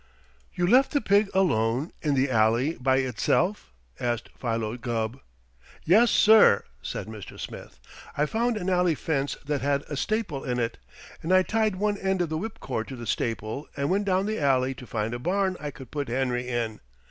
"You left the pig alone in the alley by itself?" asked Philo Gubb. "Yes, sir!" said Mr. Smith. "I found an alley fence that had a staple in it, and I tied one end of the whipcord to the staple and went down the alley to find a barn I could put Henry in.